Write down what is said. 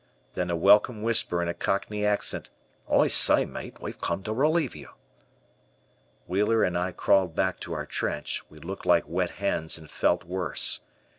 Then a welcome whisper in a cockney accent. "I s'y, myte, we've come to relieve you." Wheeler and I crawled back to our trench, we looked like wet hens and felt worse.